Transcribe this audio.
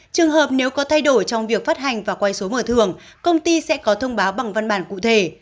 trường hợp nếu có thay đổi trong việc phát hành và quay số mở thường công ty sẽ có thông báo bằng văn bản cụ thể